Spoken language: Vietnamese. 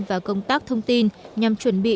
và công tác thông tin nhằm chuẩn bị